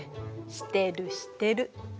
してるしてる。